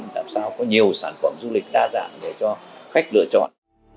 làm sao có nhiều sản phẩm du lịch đa dạng để cho khách lựa chọn